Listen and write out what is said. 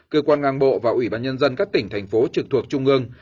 cơ quan ngang bộ và ủy ban nhân dân các tỉnh thành phố trực thuộc trung ương